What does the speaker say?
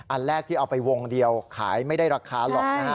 อันแรกที่เอาไปวงเดียวขายไม่ได้ราคาหรอกนะฮะ